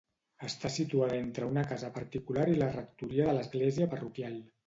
Està situada entre una casa particular i la rectoria de l'església parroquial.